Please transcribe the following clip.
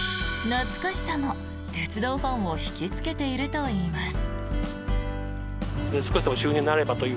懐かしさも鉄道ファンを引きつけているといいます。